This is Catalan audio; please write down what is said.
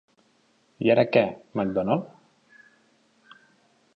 I ara què, Mcdonald?